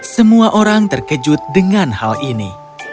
semua orang terkejut dengan hal ini